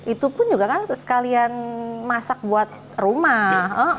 itu pun juga kan sekalian masak buat rumah